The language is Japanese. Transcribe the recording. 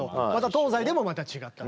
東西でもまた違ったり。